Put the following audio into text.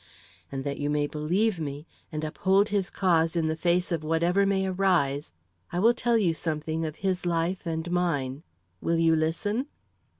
And that you may believe me, and uphold his cause in the face of whatever may arise, I will tell you something of his life and mine. Will you listen?"